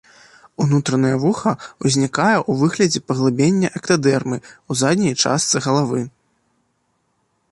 Унутранае вуха ўзнікае ў выглядзе паглыблення эктадэрмы ў задняй частцы галавы.